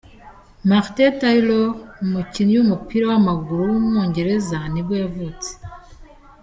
Martin Taylor, umukinnyi w’umupira w’amaguru w’umwongereza nibwo yavutse.